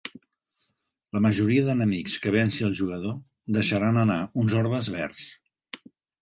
La majoria d'enemics que venci el jugador deixaran anar uns orbes verds.